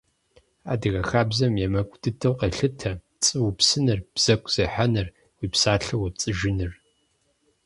Адыгэ хабзэм емыкӀу дыдэу къелъытэ пцӀы упсыныр, бзэгу зехьэныр, уи псалъэ уепцӀыжыныр.